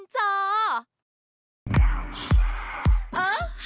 จ๊ะจ๊ะริมจอ